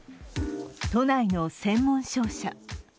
都内の専門商社。